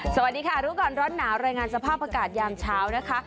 สวัสดีค่ะรู้ก่อนร้อนหนาวรายงานสภาพอากาศยามเช้านะคะ